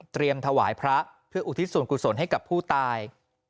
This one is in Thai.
ถวายพระเพื่ออุทิศส่วนกุศลให้กับผู้ตาย